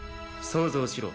想像しろ。